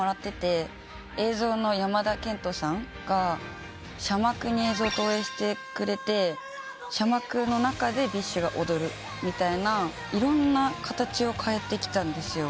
映像の山田健人さんが紗幕に映像を投影してくれて紗幕の中でＢｉＳＨが踊るみたいないろんな形を変えてきたんですよ。